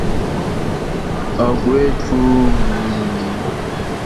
Tudo na terra está sendo transformado continuamente? porque a terra está viva.